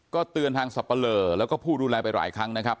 ก็เตือนทางสับปะเลอแล้วก็ผู้ดูแลไปหลายครั้งนะครับ